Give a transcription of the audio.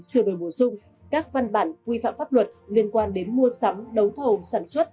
sửa đổi bổ sung các văn bản quy phạm pháp luật liên quan đến mua sắm đấu thầu sản xuất